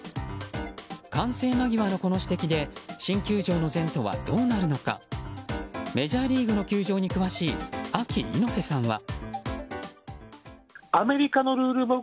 完成間際のこの指摘で新球場の前途はどうなるのかメジャーリーグの球場に詳しいＡＫＩ猪瀬さんは。